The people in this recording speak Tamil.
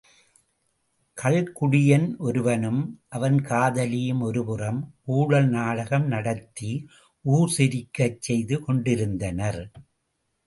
கள்குடியன் ஒருவனும் அவன் காதலியும் ஒருபுறம் ஊடல் நாடகம் நடத்தி ஊர் சிரிக்கச் செய்து கொண்டிருந்தனர்.